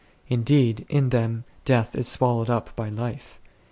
Indeed in them death is swallowed up by life.